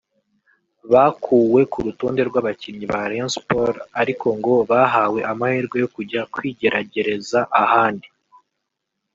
bakuwe ku rutonde rw’abakinnyi ba Rayon Sports ariko ngo bahawe amahirwe yo kujya kwigeragereza ahandi